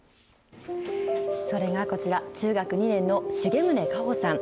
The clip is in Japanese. それがこちら、中学２年の重宗果歩さん。